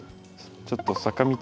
ちょっと坂道。